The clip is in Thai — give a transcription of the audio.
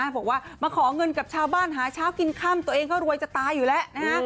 บอกว่ามาขอเงินกับชาวบ้านหาเช้ากินค่ำตัวเองก็รวยจะตายอยู่แล้วนะฮะ